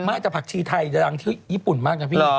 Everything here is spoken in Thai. มากจากผักชีไทยยังยี่ปุ่นมากน่ะพี่